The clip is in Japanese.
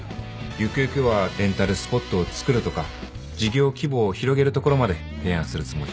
ゆくゆくはレンタルスポットをつくるとか事業規模を広げるところまで提案するつもり。